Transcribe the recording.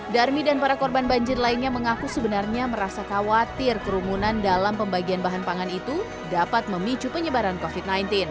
darmi dan para korban banjir lainnya mengaku sebenarnya merasa khawatir kerumunan dalam pembagian bahan pangan itu dapat memicu penyebaran covid sembilan belas